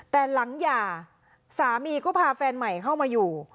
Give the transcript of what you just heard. แต่หลังหย่าสามีก็พาแฟนใหม่เข้ามาอยู่